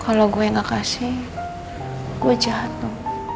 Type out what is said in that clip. kalau gua nggak kasih gua jahat nen